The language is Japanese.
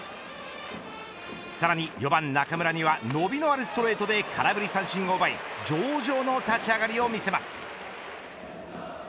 さらに４番中村には伸びのあるストレートで空振り三振を奪い上々の立ち上がりを見せます。